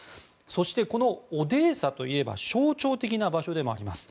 そして、オデーサといえば象徴的な場所でもあります。